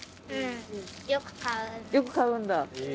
よく買うんだ。